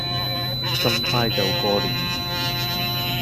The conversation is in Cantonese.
咁快就過年